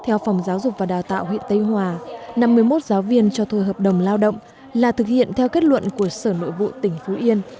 theo phòng giáo dục và đào tạo huyện tây hòa năm mươi một giáo viên cho thuê hợp đồng lao động là thực hiện theo kết luận của sở nội vụ tỉnh phú yên